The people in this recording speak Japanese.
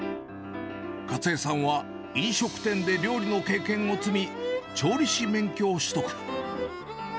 加津江さんは、飲食店で料理の経験を積み、調理師免許を取得。